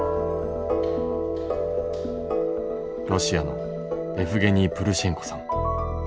ロシアのエフゲニー・プルシェンコさん。